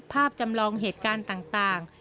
จำลองเหตุการณ์ต่าง